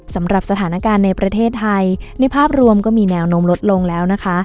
สำหรับสถานการณ์ในประเทศไทยในภาพรวมก็มีแนวนมลดลงแล้วนะคะ